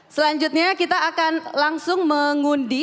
selanjutnya kita akan langsung mengundi